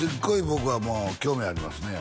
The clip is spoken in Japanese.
僕はもう興味ありますね